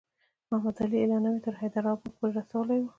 محمدعلي اعلانونه تر حیدرآباد پوري رسولي وو.